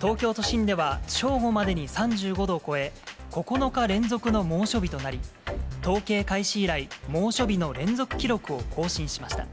東京都心では正午までに３５度を超え、９日連続の猛暑日となり、統計開始以来、猛暑日の連続記録を更新しました。